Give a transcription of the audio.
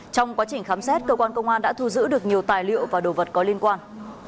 trong quá trình khám xét cơ quan công an đã thu giữ được nhiều tài liệu và đồ vật có liên quan